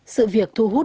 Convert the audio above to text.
sự việc thu hút